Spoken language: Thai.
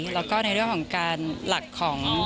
แล้วก็ในเรื่องของการหลักของ